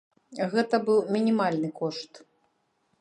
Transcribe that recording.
Гэта быў мінімальны кошт.